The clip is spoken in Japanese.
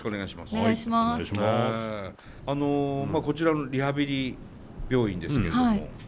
こちらのリハビリ病院ですけれども。